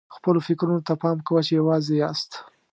خپلو فکرونو ته پام کوه چې یوازې یاست.